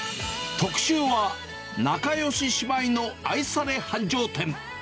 特集は、仲よし姉妹の愛され繁盛店。